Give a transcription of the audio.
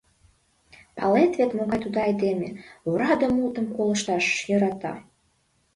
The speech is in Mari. Палет вет, могай тудо айдеме: ораде мутым колышташ йӧрата.